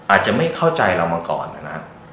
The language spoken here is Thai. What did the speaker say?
อาจจะไม่เข้าใจเรามาก่อนนะครับ